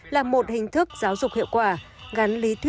là một hình thức giáo dục hiệu quả